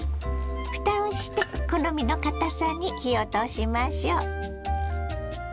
ふたをして好みのかたさに火を通しましょ。